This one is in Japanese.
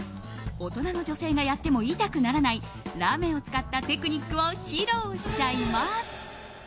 大人の女性がやってもイタくならないラメを使ったテクニックを披露しちゃいます。